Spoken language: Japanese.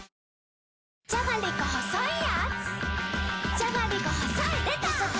じゃがりこ細いやーつ